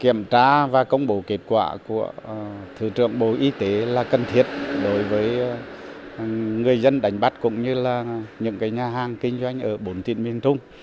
kiểm tra và công bố kết quả của thứ trưởng bộ y tế là cần thiết đối với người dân đánh bắt cũng như là những nhà hàng kinh doanh ở bốn tỉnh miền trung